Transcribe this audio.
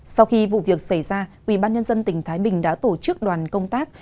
sau khi vụ việc xảy ra ủy ban nhân dân tỉnh thái bình đã tổ chức đoàn công tác